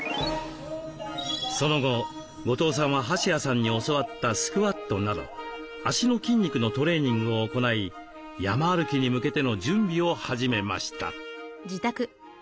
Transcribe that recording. その後後藤さんは橋谷さんに教わったスクワットなど脚の筋肉のトレーニングを行い山歩きに向けての準備を始めました。